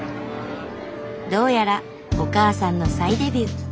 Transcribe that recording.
どうやらお母さんの再デビュー